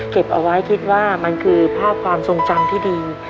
เก็บเอาไว้คิดว่ามันคือภาพความทรงจำที่ดี